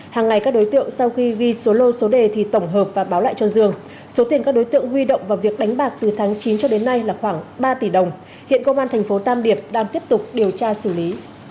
hàng ngày các đối tượng sau khi ghi số lô số đề thì tổng hợp và báo lại cho dương số tiền các đối tượng huy động vào việc đánh bạc từ tháng chín cho đến nay là khoảng ba tỷ đồng hiện công an thành phố tam điệp đang tiếp tục điều tra xử lý